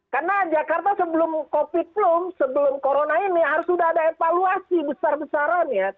karena jakarta sebelum covid belum sebelum corona ini harus sudah ada evaluasi besar besaran ya